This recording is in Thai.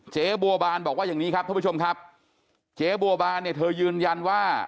เจ๊บัวบานบอกว่าอย่างนี้ครับท่านผู้ชมครับเจ๊บัวบานเนี่ยเธอยืนยันว่า